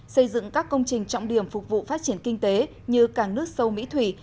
xây dựng các công trình trọng điểm phục vụ phát triển kinh tế như cảng nước sâu mỹ thủy